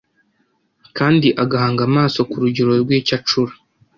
kandi agahanga amaso ku rugero rw'icyo acura